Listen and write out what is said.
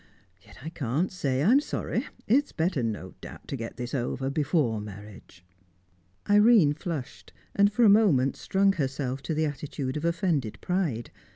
Yet I can't say I'm sorry. It's better no doubt, to get this over before marriage." Irene flushed, and for a moment strung herself to the attitude of offended pride.